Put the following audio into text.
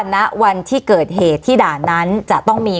ณวันที่เกิดเหตุที่ด่านนั้นจะต้องมี